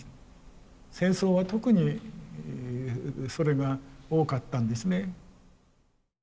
戦争は特にそれが多かったんですね。